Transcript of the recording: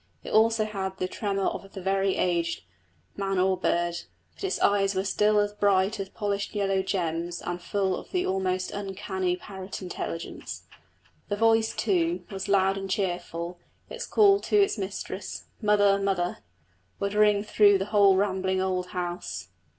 It also had the tremor of the very aged man or bird. But its eyes were still as bright as polished yellow gems and full of the almost uncanny parrot intelligence. The voice, too, was loud and cheerful; its call to its mistress "Mother, mother!" would ring through the whole rambling old house.